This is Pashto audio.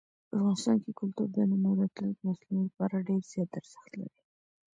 افغانستان کې کلتور د نن او راتلونکي نسلونو لپاره ډېر زیات ارزښت لري.